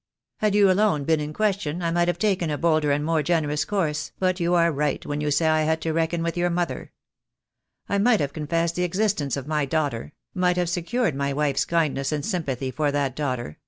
Had you alone been in question I might have taken a j bolder and more generous course, but you are right when you say I had to reckon with your mother. I might have confessed the existence of my daughter — might have secured my wife's kindness and sympathy for that daughter 15* 2 28 THE DAY WILL COME.